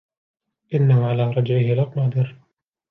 إنه على رجعه لقادر